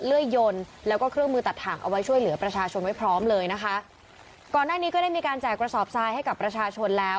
เลื่อยยนแล้วก็เครื่องมือตัดถ่างเอาไว้ช่วยเหลือประชาชนไว้พร้อมเลยนะคะก่อนหน้านี้ก็ได้มีการแจกกระสอบทรายให้กับประชาชนแล้ว